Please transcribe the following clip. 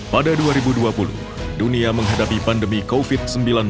pada dua ribu dua puluh dunia menghadapi pandemi covid sembilan belas